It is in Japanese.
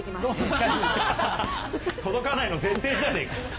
届かないの前提じゃねぇか。